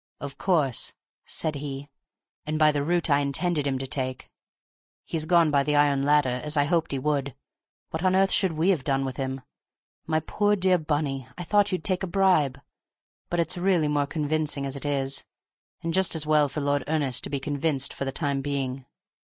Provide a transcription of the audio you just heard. "Of course," said he, "and by the route I intended him to take; he's gone by the iron ladder, as I hoped he would. What on earth should we have done with him? My poor, dear Bunny, I thought you'd take a bribe! But it's really more convincing as it is, and just as well for Lord Ernest to be convinced for the time being."